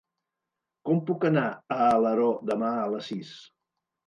Com puc anar a Alaró demà a les sis?